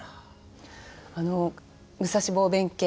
あの「武蔵坊弁慶」